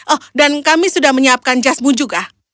oh dan kami sudah menyiapkan jasbu juga